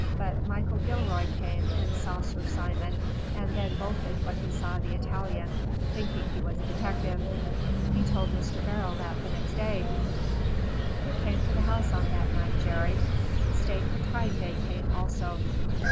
But Michael Gilroy came and saw Sir Simon, and then bolted when he saw the Italian, thinking he was a detective. He told Mr. Beryl that the next day!" "Who came to the house on that night, Jerry? State the time they came also."